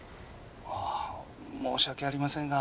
ああ申し訳ありませんが